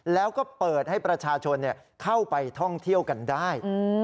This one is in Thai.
แล้วก็เปิดให้ประชาชนเข้าไปท่องเที่ยวกันได้